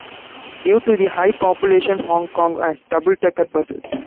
Due to the high population, Hong Kong has double-decker buses.